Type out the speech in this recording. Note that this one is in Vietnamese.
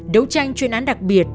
đấu tranh chuyên án đặc biệt